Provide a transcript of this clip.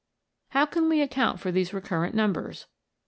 How can we account for these recurrent numbers